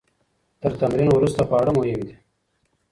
تر تمرین وروسته خواړه مهم دي.